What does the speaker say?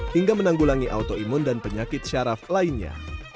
hingga menanggulangi autoimun dan penyakit syaraf lainnya